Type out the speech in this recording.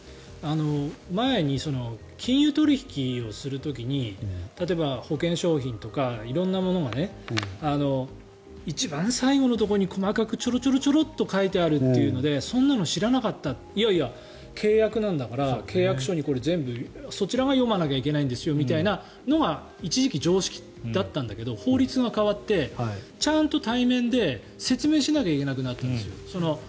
前に金融取引をする時に例えば保険商品とか色んなものが一番最後のところに細かくちょろちょろ書いてあるということでそんなの知らなかったいやいや、契約なんだから契約書に全部、そちらが読まなきゃいけないんですよみたいなのが一時期、常識だったけど法律が変わってちゃんと対面で説明しなきゃいけなくなったんですよ。